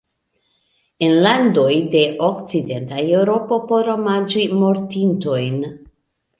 En landoj de Okcidenta Eŭropo por omaĝi mortintojn.